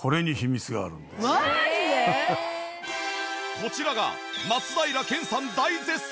こちらが松平健さん大絶賛！